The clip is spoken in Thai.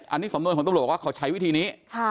อันนี้สำนวนของตำรวจบอกว่าเขาใช้วิธีนี้